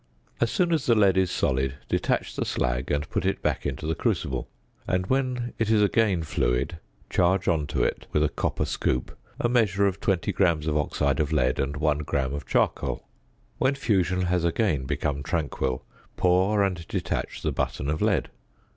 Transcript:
As soon as the lead is solid, detach the slag and put it back into the crucible; and when it is again fluid, charge on to it with a copper scoop a mixture of 20 grams of oxide of lead, and 1 gram of charcoal: when fusion has again become tranquil, pour and detach the button of lead.